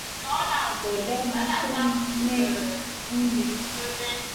Gordaa maʼa Sun me homdi.